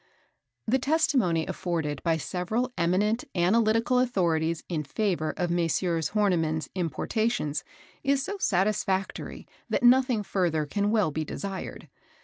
The testimony afforded by several eminent analytical authorities in favour of Messrs. Horniman's importations is so satisfactory that nothing further can well be desired.